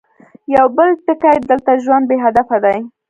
يو بل ټکی، دلته ژوند بې هدفه دی.